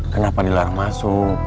kenapa dilarang masuk